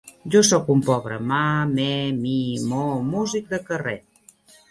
Jo sóc un pobre ma, me, mi, mo músic de carrer.